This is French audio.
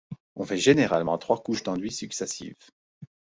On fait généralement trois couches d'enduit successives.